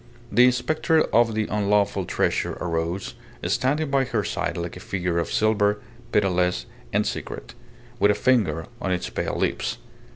The spectre of the unlawful treasure arose, standing by her side like a figure of silver, pitiless and secret, with a finger on its pale lips.